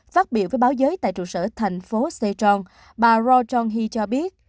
phát biểu với báo giới tại trụ sở thành phố sejong bà ro jong hee cho biết